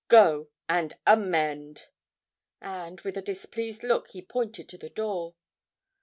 Go, and amend.' And with a displeased look he pointed to the door.